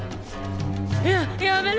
ややめろ！